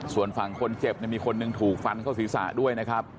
ส่วนฝั่งคนเจ็บมีคนหนึ่งถูกฟันเข้าศีรษะด้วยนะครับ